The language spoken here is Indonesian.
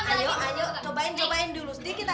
ayo ayo cobain cobain dulu sedikit